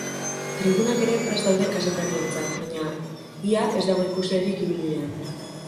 Tribunak ere prest daude kazetarientzat, baina ia ez dago ikuslerik ibilbidean.